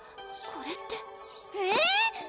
これってえぇ！